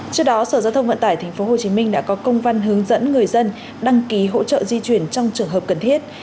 trước đó sở giao thông vận tải tp hcm đã có công văn hướng dẫn người dân đăng ký hỗ trợ di chuyển trong trường hợp cần thiết